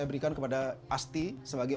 yang paling duper selamat untuk melihat